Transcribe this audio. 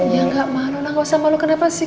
ya gak malu lah gak usah malu kenapa sih